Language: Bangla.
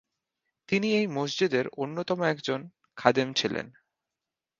তিনি এই মসজিদের অন্যতম একজন খাদেম ছিলেন।